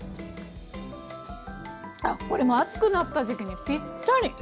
あっこれ暑くなった時期にぴったり。